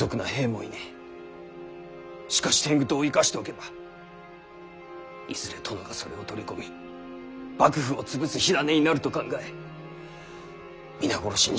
しかし天狗党を生かしておけばいずれ殿がそれを取り込み幕府を潰す火種になると考え皆殺しにしたんだ。